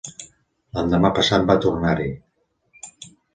L'endemà-passat va tornar-hi